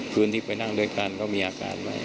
คืนที่ไปนั่งด้วยกันก็มีอาการไหม